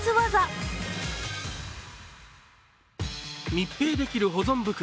密閉できる保存袋。